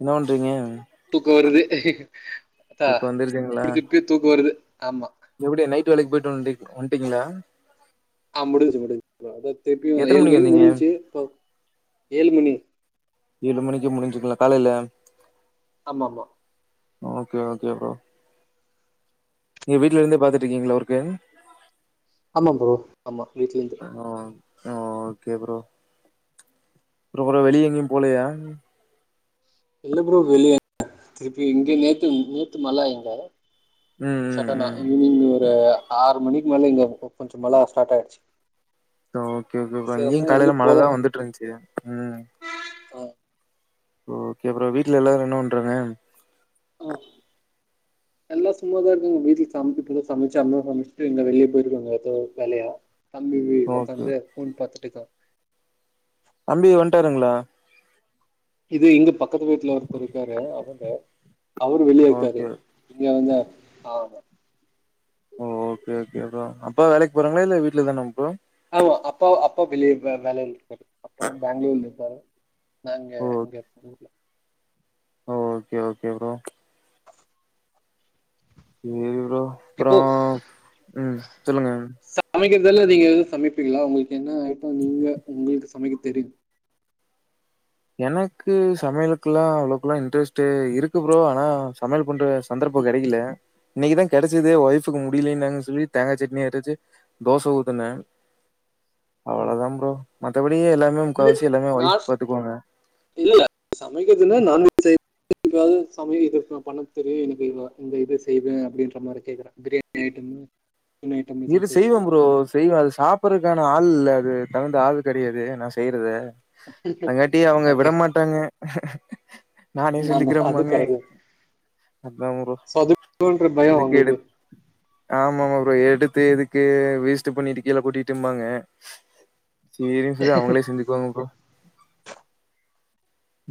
என்ன பண்றீங்க தூக்கோ வருது தா தூக்கம் வந்துருதுங்களா குளிச்சிட்டு தூக்கோ வருது ஆமா எப்டி நைட்டு வேலைக்கு போயிட்டு வந்து வந்ட்டீங்களா ஆ முடிஞ்சுச்சு முடிஞ்சு அதா திருப்பியு எத்தன ஏழு மணிக்கு வந்தீங்க முடிஞ்சுச்சு இப்ப ஏழு மணி ஏழு மணிக்கு முடிஞ்சுக்கலா காலையில ஆமா ஆமா ஓகே ஓகே ப்ரோ நீங்க வீட்ல இருந்தே பாத்துட்டுயிருக்கிங்களா ஒர்க்கு ஆமா ப்ரோ ஆமா வீட்லே ஆ ஓகே ப்ரோ ப்ரோ வெளியே எங்கயு போலயா இல்ல ப்ரோ வெளிய திருப்பி இங்க நேத்து நேத்து மழ இங்க ம் ம் சடனா ம் ஈவினிங் ஒரு ஆறு மணிக்கு மேல இங்க கொஞ்சோ மழ ஸ்டார்ட் ஆயிடுச்சு ஓகே ஓகே ப்ரோ சரி இங்கியும் அதனால காலையில எங்கயு மழ போல தா வந்துட்டு இருந்துச்சு ம் ஆ ஓகே ப்ரோ வீட்ல எல்லாரு என்ன பண்றாங்க ஆ எல்லா சும்மாதா இருக்காங்க வீட்ல சமைப்ப சமைச்சு அம்மா சமைச்சுட்டு இங்க வெளியே போயிருக்காங்க ஏதோ வேலையா தம்பி வீ ஓகே உக்காந்து ஃபோன் பாத்துட்டு இருக்கா தம்பி வன்ட்டாருங்களா இது இங்க பக்கத்து வீட்டுல ஒருத்தர் இருக்காரு அவுங்க அவரு வெளியே இருக்காரு ஓகே இங்க வந்து ஆ ஓ ஓக்கே ஓக்கே அப்புறோ அப்பா வேலக்கி போறங்களா இல்ல வீட்டுல தானா ப்ரோ ஆமா அப்பா அப்பா வெளியே வெளிலேல இருக்காரு அப்பாவு பெங்களூர்ல இருந்தாக நாங்க ஓ இங்க புதூருல ஓக்கே ஓக்கே ப்ரோ செரி ப்ரோ அப்புறோ இப்போ ம் சொல்லுங்க சமைக்றதெல்ல நீங்க எதுவு சமைப்பீங்ளா உங்களுக்கு என்ன ஐட்டம் நீங்க உங்களுக்கு சமைக்க தெரியு எனக்கு சமையலுக்குல்லா அவ்ளோக்ல்லா இன்ட்ரெஸ்ட்டு இருக்கு ப்ரோ ஆனா சமையல் பண்ற சந்தர்ப்போ கேடைக்ல இன்னைக்குதா கெடச்சதே ஒய்ஃபுக்கு முடியலன்னாங்க சொல்லி தேங்கா சட்னி அரைச்சு தோச ஊத்துனே ஆ ம் அ ப்ரோ மத்தபடியே எல்லா இது நாஸ் இல்லல சமைக்கதுன்னு நான்வேஜ் செய் ய தெரியாது சமயல் இது ப பண்ண தெரியு எனக்கு இத இந்த இது செய்வே அப்டின்றமாரி கேக்ற பிரியாணி ஐட்டமு இது செய்வே ப்ரோஸ் செய்வ அது சாப்பற்துக்கான ஆள் இல்ல அது தகுந்த ஆள் கெடயாது நா செய்றது அதங்காட்டி அவுங்க விட ஓகே மாட்டாங்க நானே ஆமா அது சொல்லிகிறேம்பாங்க கரெக்ட் அப்றோ ப்ரோ சோ அது பயோ இதுக்கு எடு உங்களுக்கு ஆமா ஆமா ப்ரோ எடுத் இது எதுக்கு வேஸ்ட்டு பண்ணிட்டு கீழ கொட்டிட்டும்பாங்க செரி செரி அவுங்ளே செஞ்சிக்வாங்க ப்ரோ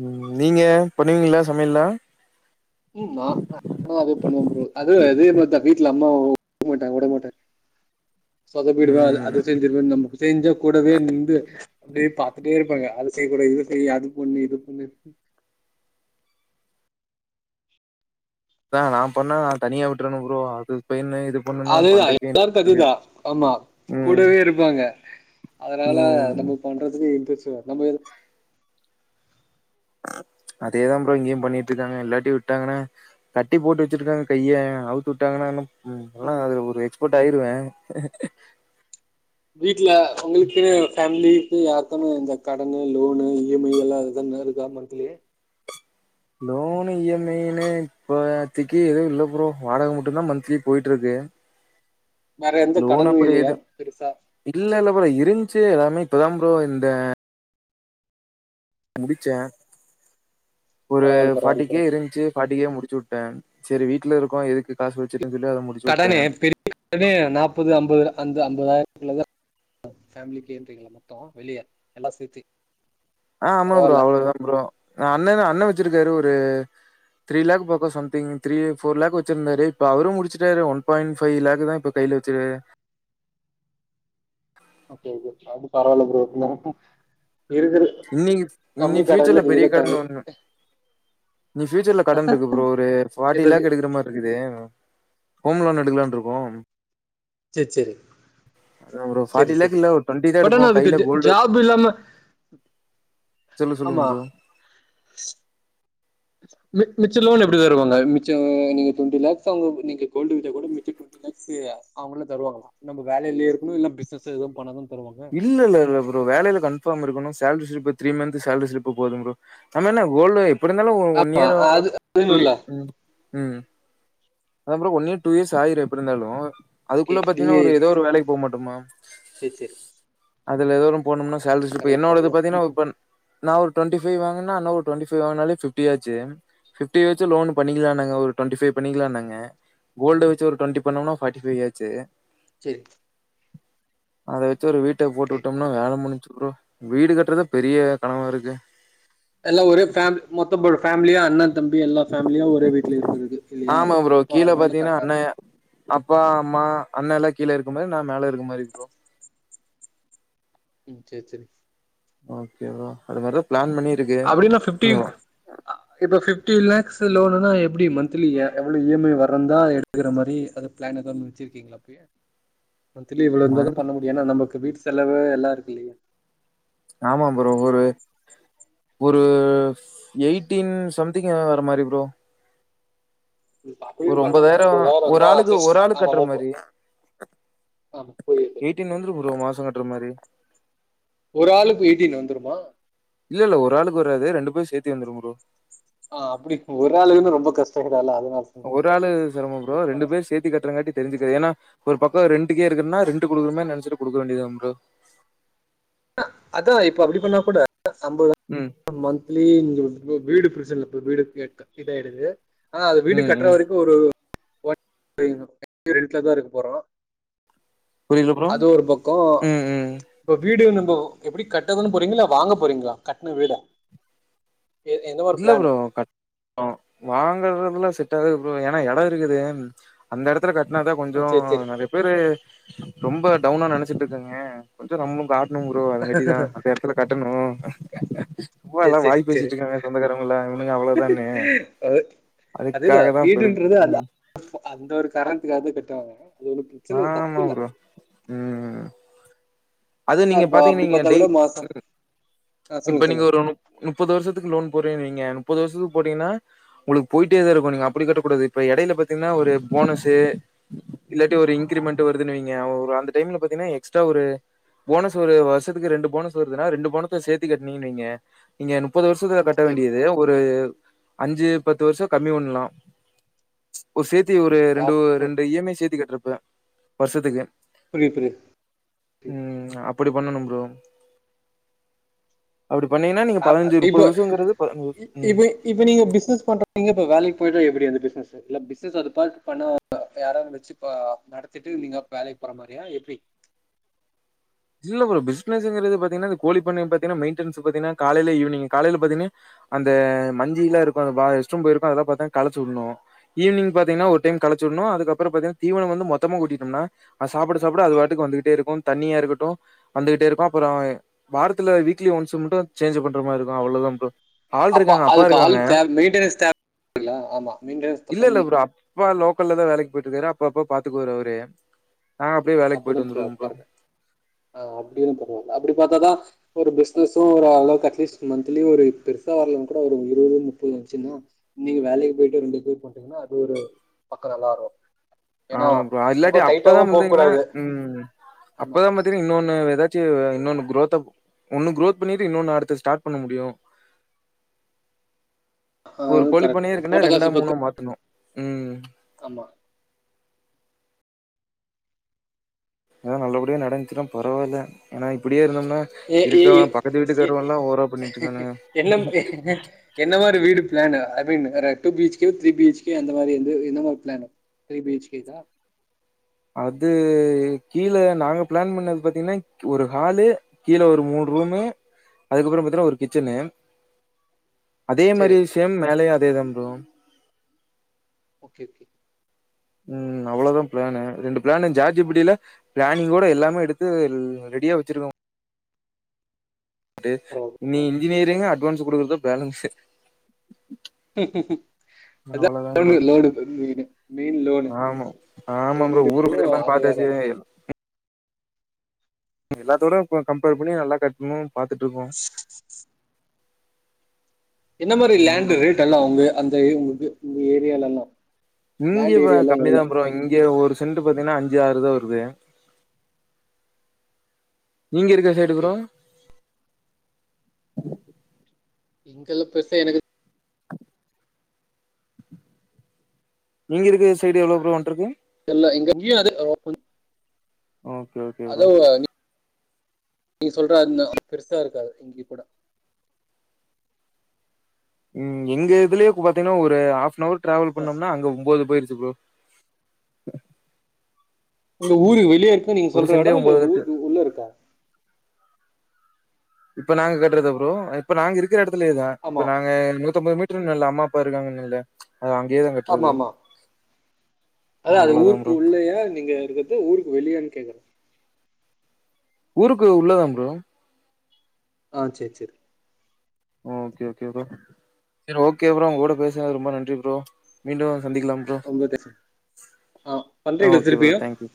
ம் நீங்க பண்ணுவீங்ளா சமையல்லா ம் அ ம நானு அதே பண்ணுவ ப்ரோ அது அதேமார்தா வீட்ல அம்மா ஒத்துக்க மாட்டங் உடமாட்டாங் சொதப்பிடுவே அது ம் அது செஞ்சிருவே நம் செஞ்சா கூடவேநிந்து அப்டே பாத்துட்டே இருப்பாங்க அத செய்க்கூடது இது செய் அது பொண்ணு இது பொண்ணு அதா நா பண்ணா தனியா விட்ருனோ ப்ரோ அது பெயினு இது பண்ணுனா அதுதா பண்றக்கே எல்லாருக்கு அதுதா ஆமா ம் கூடவே இருப்பாங்க அதனால ம் நம்ம பண்றதுக்கு இன்ரஸ்டு வரு நம்ப அதேதா ப்ரோ இங்கேயு பண்ணிட்டுயிருக்காங்க இல்லாட்டி விட்டாங்ன்னா கட்டி போட்டு வெச்சிருக்காங்க கைய அவுத்து உட்டாங்ன்னா இன்னு ம் ஆனா அதுல ஒரு எக்ஸ்போர்ட் ஆயிருவே வீட்ல உங்களுக்குனு ஃபேமிலி இல்ல யார்தனா இந்த கடன்னு லோனு இஎம்ஐ எல்லா எதனாயிருக்க monthly loan E M I ன்னு இப்பதிக்கி எதுவு இல்ல ப்ரோ வாடக மட்டுந்தா மந்த்லி போய்டுருக்கு வேற எந்த கடனு எது இல்லயா பெருசா இல்ல இல்ல ப்ரோ இருந்துச்சு எல்லாமே இப்பதா ப்ரோ இந்த முடிச்சே ஒரு பரவால்ல ஃபாட்டி பரவால்ல கே ப்ரோ இருந்துசு பாட்டுகே முடிச்உட்டே சரி வீட்ல இருக்கோ எதுக்கு காசு வெச்சுட்டு அதுல முடி கடனே பெரிய கடனே நாப்பது அம்பரூவா அந்த அம்பதாயிரத்துக்குல்லதா ஃபேமிலிக்கே எத்திங்ளா மொத்தோமா வெளிய எல்லா சேத்து ஆ ஆமா ப்ரோ அவ்ளோதா ப்ரோ அண்ணனே அண்ண வெச்சிருக்காரு ஒரு த்ரீ லேக் போக சம்ந்திங் த்ரீ ஃபோர் லேக் வெச்சிர்ந்தாரு இப்ப அவுரு முடிச்சட்டாரு ஒன்பாயிண்ட் பைவ்லேக் தா இப்போ கைல வெச்சுரு ஓகே ஓகே அது பரவால்ல ப்ரோ இருக்குரு இன்னிக் இனி ஃபியூச்சர்ல பெரிய கடன் ஒண்ணு இனி ஃபியூச்சர்ல கடன்ட்ருக்கு ப்ரோ ஒரு ஃபாட்டி இது லேக் எடுக்றமாரி இருக்குது ஹோம் லோன் எடுக்லான்ருக்கோ சரி சரி அதா ஒரு சரி ஃபார்ட்டி லேக் இல்ல ஒரு டுவெண்டி தா எடுப்போ கைல கோல்டு அப் இல்லாம சொல்லு சொல்லுங்க ஆமா ப்ரோ மி மிச்சோ லோன் எப்டி தருவாங்க மிச்சோ நீங்க டுவெண்டி லாக்ஸ் அவுங்க நீங்க கோல்டு வச்சா கூட மிச்சோ டு [unintelligible] அவுங்களே தருவாங்ளா நம்ம வேலையிலே இருக்கணு இல்ல பிசினஸ் எதுவு பண்ணாதா தருவாங்க இல்ல இல்ல இல ப்ரோ வேலைல கன்ஃபார்ம் இருக்கணு salary slip three month salary slip போது ப்ரோ நம்ம என்ன கோல்டு எப்டியிருந்தாலு ஒ ஒன் ஆமா இயர் அது டு அதுன்னு இல்ல ம் ம் அதா bro one year two years ஆயிரோ எப்டியிருந்தாலு ஓகே அதுக்குள்ள பாத்தீன்னா ஒரு ஏதோ ஒரு வேலைக்கு போ மாட்டோமா சேரி சேரி அதுல ஏதோம் ஒரு போனும்னா சேலரி ஸ்லிப்பு கரெக்ட் என்னோடது பாத்தீங்கன்னா கரெக்ட் இப்ப நா ஒரு டொண்டி ஃபைவ் வாங்குனா அண்ண ஒரு டொண்டி ஃபைவ் வாங்னாலே ஃபிப்டி ஆச்சு ஃபிப்டி வச்சு லோனு பண்ணிக்கலாங்க ஒரு டொண்டிஃபை பண்ணிக்கலானாங்க அ கோல்டு வச்சு ஒரு டுவெண்டி பண்னோனா ஃபாடி ஃபைவ் ஆச்சு சேரி அத வச்சு ஒரு வீட்ட போட்டு ஓகே விட்டோம்னா வேலை முடிஞ்சு ப்ரோ வீடு கட்றதே பெரிய கனவா இருக்கு எல்லா ஒரே ஃபேமிலி மொத்த [unintelligible] ஃபேமிலியா அண்ண தம்பி எல்லா ஃபேமிலியு ஒரே வீட்ல இருக்கிறதுக்கு இல்லயா ஆமா ப்ரோ அப்போ கீழ அதுனால பாத்தீங்கன்னா கரெக்டா அண்ண இருக்கு அப்பா அம்மா அண்ணால்லா கீழ இருக்க மாரி நா மேல இருக்க மாரி ப்ரோ ம் சேரி சேரி ஓகே வா அ வெறப் அப்டின்னா ஃபிப்டி அ இப்ப ஃபிப்டி லேக்ஸ் லோனுனா எப்டி மந்த்லி அ எவ்ளோ இ எம் ஐ வறந்தா விக்கிற மாரி அது ப்ளான் ஏதாவது நெனச்சிருக்கீங்களா அப்டியே மந்தலி இவ்வளோ மன் இருந்தாதா பண்ண முடியு ஏன்னா நமக்கு வீட்டு செலவு எல்லா இருக்கு இல்லயா ஆமா ப்ரோ ஒரு ஒரு எயிட்டீன் சம்திங் வர மாரி ப்ரோ அப்பயு ஒரு பரவால்ல ஒம்பதாயிர ஐம்பதாயிரோ ஒரு வந்தா ஆளுக்கு அட்லீஸ்ட் ஒரு ஆளு ஆமா கட்ற முப்ப மாரி ஆமா புரியுது புரியுது எயிட்டீன் வந்துரும் ப்ரோ மாச கட்ற மாரி ஒரு ஆளுக்கு எய்டீன் வந்துருமா இல்ல இல்ல ஒரு ஆளுக்கு வராது ரெண்டு பேரு சேத்தே வந்துரும் ப்ரோ ஆ அப்டி ஒரு ஆளுக்குக்குன்னு ரொம்ப கஷ்டகிறால அதுனால ஒரு ஆளு சிரமோ ப்ரோ ரெண்டு பேர் சேத்தி கட்டுறன் காட்டி தெரி்சுக்கிறே ஏன்னா ஒரு பக்கோ ரெண்டுக்கே இருக்குன்னா ரெண்டு குடுக்குமே நெனச்சிட்டு குடுக்க வேண்டியதா ப்ரோ அதா இப்ப அப்டி பண்ணா கூட சம்ப ம் மந்த்லி வீடு [inaudible] பிரிச்சன இ வீடு ஆயிடுது ஆனா அது வீடு ம் கட்ற ம் வரைக் ஒரு [inaudible] வீட்ல தா இருக்க போறோ புரில ப்ரோ அது ஒரு பக்கோ ம் ம் இப்ப வீடு நம்போ எப்டி கட்டுதான்னே போறீங்கள இல்ல வாங்க போறீங்களா கட்ன வீடா இல்ல ப்ரோ கட் னு வாங்கறதுலா செட் ஆகுது ப்ரோ ஏனா எடம் இருக்குது அந்த எடத் துல கட்டினா தா ஓ கொஞ்சோ சேரி சேரி நெறைய பேரு ரொம்ப டவுனா நெனைச்சிட்டு இருக்காங்க கொஞ்சம் நம்ம ம் கட்னு ப்ரோ அது கட்டி தான் அந்த எடத்துல கட்டணும் சம்மா சேரி எல்லாம் சேரி வாய் சேரி பேசிட்டு இருக்காங்க சொந்தக்காரவங்கல்லா இவனுங்க அவ்ளோதான்னு அது அதுக்காக அதேதான் தா இப்ப இருக்கு வீடுன்றது அதா ம் அந்த ஒரு காரணத்துக்காகத கட்டுவாங்க அது ஒன்னு பிரச்சன தப்பு ஆமா இல்ல ப்ரோ ம் அது அதா நீங்க இப்ப பாத்தீங்க அப்டி நீங்க பாத்தா டெய் கூட மாசோ ஆ இப்ப சொல்லுங்க நீங்க சொல்லுங்க ஒரு நுப்பது வருஷத்துக்கு லோன் போறீங்க வைங்க முப்பது வருஷத்துக்கு போட்டீங்னா உங்களுக்கு போயிட்டே தான் இருக்கும் நீங்க அப்டி கட்டக் கூடாது இப்ப எடையில பாத்தீங்கன்னா ஒரு போனஸு இல்லாட்டி ஒரு இன்கிரிமெண்ட் வருதுன்னுவைங்க அந்த டைம்ல பாத்தீங்கன்னா எக்ஸ்ட்ரா ஒரு போனஸ் ஒரு வருஷத்துக்கு ரெண்டு போனஸ் வருதுன்னா ரெண்டு போனஸத்தை சேத்து கட்டினீங்கன்னுவைங்க இங்க முப்பது வருஷத்துல கட்ட சேரி வேண்டியது ஒரு அஞ்சு பத்து வருஷம் கம்மி பண்லாம் ஒரு சேத்தி ஒரு ஆ ரெண்டு பு ரெண்டு இ எம் ஐ சேத்தி கட்டுறப்ப வருஷத்துக்கு புரிது ம் அப்டி பண்ணணும் ப்ரோ அப்டி பண்ணீங்கன்னா நீங்க ஆ பதினஞ்சு இப்ப முப்பது வருஷங்கிறது பதினு வரு ம் இப்ப இப்ப நீங்க பிசினஸ் பண்றீங்க இப்ப வேலைக்கு போயிட்டா எப்டி அந்த பிஸ்னஸ் இல்ல பிசினஸ் பண்ணுவோ பண்ண யாரும் வச்சு நடத்திட்டு நீங்க வேலைக்கு போற மாரியா எப்டி இல்ல ஒரு பிஸ்னஸ்ங்குரது பாத்தீங்ன்னா இந்த கோழிப் பண்ண பாத்திங்கன்னா மெயின்டனன்ஸ் பாத்திங்கன்னா காலையில ஈவினிங் காலையில பாத்தீங்கன்னா அந்த மந்தியெல்லாம் இருக்கும் அந்த ரெஸ்ட் ரூம் எல்லாம் போயிருக்கும் அதெல்லாம் பாத்தாங்க களைச்சி விட்றணும் ஈவினிங் பாத்தீங்கன்னா ஒரு டைம் கழச்சி விடணும் அதுக்கப்புறம் பாத்திங்கன்னா தீவனம் வந்து மொத்தமா கொட்டிட்டோம்னா அது சாப்ட சாப்ட அதுபாட்டுக்கு வந்துட்டே இருக்கும் தனியா இருக்கும் ப்ரோ வந்துகிட்டே இருக்கும் அப்றம் வாரத்துல வீக்லி ஒன்ஸ் மட்டும் சேஞ்ச் பண்ற மாரி இருக்கும் அவ்ளோ தான் ப்ரோ ஆள் இருக்காங்க அப்பா அதுக்கு ஆள் இருக்காங்க தேவை மெயின்டெனன்ஸ் தேவை ஆமா மெயின்டெனன்ஸ் இல்ல இல்ல கம்மி ப்ரோ அப் பா லோக்கல்லல தான் வேலைக்கு போயிட்டு இருக்காரு அப்ப அப்ப பாத்துக்குவாரு அவரு அவரு நாங்க அப்டியே வேலைக்கு போயிட்டு வந்தருவோ அப்றம் ஆ அப்டின்னும் பரவால்ல அப்டி பாத்தாதா ஒரு பிசினஸும் ஒரு அளவுக்கு அட்லீஸ்ட் மந்த்லி ஒரு பெருசா வரலேன கூட ஒரு இருபது முப்பதுந்துச்சுன்னா நீங்க வேலைக்கு போயிட்டு ரெண்டு பேர் போட்டீங்கன்னா அது ஒரு பக்கம் நல்லா இருக்கும் ஏன்னா ரொம்ப டைட்டாவும் போக என்னா கூடாது ம் ஆமா அப்பதான் [unintelligible] இன்னொன்னு ஏதாச்சும் இன்னொன்ன குரோத்தை ஒன்னு குரோத் பண்ணிட்டு இன்னொன்னு அடுத்து ஸ்டார்ட் பண்ண முடியும் ஒரு கோழிப்பன்னயே கரெக்ட் இருக்குன்னா போட்ட காசு ரெண்டா இப்போ மூணோ க- மாத்தணும் ம் ஆமா ஏது நல்லபடியா நடந்துச்சுனா பரவால்ல ஏன்னா இப்டியே இருந்தோம்னா ஏ ஏ ஏ- இருக்கான் பக்கத்து ஏ- ஏ- வீட்டுக்காரவல்லாம் ஓரா பண்ணிட்டு இருக்கானுங்க என்ன என்ன மாரி வீடு plan I mean two BHK three BHK அந்த மாரி வந்து எந்த மாரி பிளான் த்ரி பிஎச் கே தா அது கீழ நாங்க பிளான் பண்ணது பாத்தீங்கன்னா ஒரு ஹாலு கீழே ஒரு மூணு ரூமு அதுக்கப்புறம் பாத்தன்னா ஒரு கிச்சனு அதே மாரி சரி ஸேம் மேலயே அதே தான் ப்ரோ ஓகே ஓகே ம் அவ்ளோதான் பிளானு ரெண்டு பிளானு ஜார்ஜி பிடில்ல பிளானிங்க கூட எல்லாமே எடுத்து ரெடியா வச்சிருக்கோம் ட்டே நீ இன்ஜினியரிங் அட்வான்ஸ் குடுக்குற்து பேலன்ஸ்சு அதா [inaudible] லவ்டு மெயின் லோனு ஆமா ஆமா லோன் ப்ரோ ஊருக்குள்ள எல்லா [inaudible] அது வேற பாத்தாச்சு எல்லாத்தோட கம்பேர் பண்ணி நல்லா கட்ணு பாத்துட்ருக்கோம் என்ன மாரி ஆமா லேண்ட்டு ப்ரோ ரேட்டெல்லா உங்க அந்த உங்கள்து உங்க ஏரியாலல்லா இங்க இப்ப கம்மிதா ப்ரோ இங்க ஒரு சென்ட்டு பாத்தீங்ன்னா அஞ்சு ஆறு தா வருது நீங்க இருக்குற சைடு ஓகே ப்ரோ இங்கலா பெருசா எனக்கு நீங்க இருக்குற சைடு எவ்ளோ ப்ரோ லேண்ட் இருக்கு எல்ல இங்க நீயூவா எதும் [inaudible] ஓகே ஓகே ப்ரோ நீ சொல்ற அரும பெருசா இருக்காது இங்கே கூட ம் எங்க இதுலயே இப்ப பாத்தீங்ன்னா ஒரு ஹஃப்ன்ஹவர் டிராவல் பண்ணோம்னா அங்க ஒம்போது போயிருச்சு ப்ரோ இந்த ஊரு வெளியே இருக்கா நீங்க ஒரு சொல்ற சென்டே எடம் இல்ல ஒம்போது லட்ச ஊருக்கு உள்ள இருக்கா இப்ப நாங்க கட்றதா ப்ரோ இப்ப நாங்க இருக்கிற எடத்துலயே தா ஆமா இப்ப நாங்க நூத்தம்பது மீட் உத்ர மேர்ல அம்மா அப்பா இருக்காங்குன்னல்ல அவ அங்கேய தா ஆமா கட்ருக்கு ஆமா அதா அது ஊருக்கு உள்ளயா நீங்க இருக்கற்து ஊருக்கு வெளியன் கேக்குற ஊருக்கு உள்ளதா ப்ரோ ஆ செர் செரி சர் ஓகே ப்ரோ உங்க கூட பேசுனது ரொம்ப நன்றி ப்ரோ மீண்டும் சந்திக்லாம் ரொம்ப தேங்க்ஸ் ஆ ஆ பண்றீங்களா ஓகே திருப்பியு ப்ரோ தேங்க்யூ